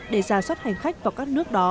để ra soát hành khách vào các nước đó